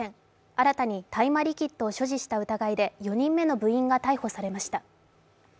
新たに大麻リキッドを所持した疑いで４人目の部員が逮捕されました。